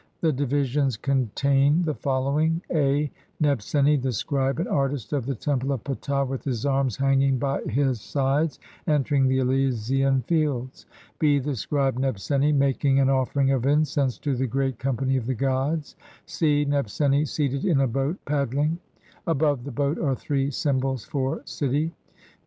The divi sions contain the following :— (a) Nebseni, the scribe and artist of the Temple of Ptah, with his arms hanging by his sides, entering the Elysian Fields, (b) The scribe Nebseni making an offering of incense to the "great company of the gods", (c) Nebseni seated in a boat paddling ; above the boat are three symbols for "city".